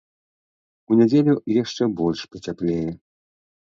У нядзелю яшчэ больш пацяплее.